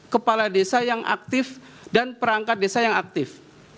kepala desa yang aktif dan perangkat desa yang aktif